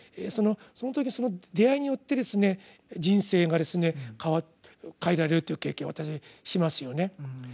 その時その出会いによってですね人生が変えられるという経験を私たちしますよね。